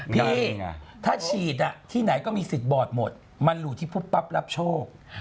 พี่ถ้าฉีดที่ไหนก็มีสิทธิ์บอดหมดมันอยู่ที่ปุ๊บปั๊บรับโชค